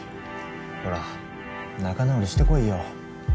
ほら仲直りしてこいよ。